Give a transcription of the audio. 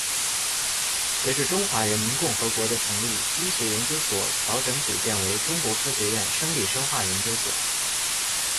随着中华人民共和国的成立，医学研究所调整组建为中国科学院生理生化研究所。